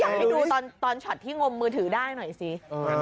ให้ดูตอนช็อตที่งมมือถือได้หน่อยสิ